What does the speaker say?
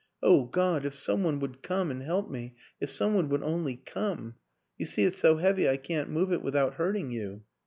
Oh, God, if some one would come and help me, if some one would only come! You see, it's so heavy I can't move it without hurting you."